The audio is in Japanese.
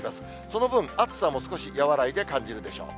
その分、暑さも少し和らいで感じるでしょう。